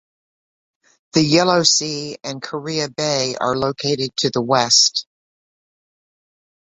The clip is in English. The Yellow Sea and Korea Bay are located to the west.